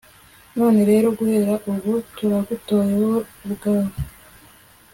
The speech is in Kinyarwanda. none rero guhera ubu turagutoye, wowe ubwawe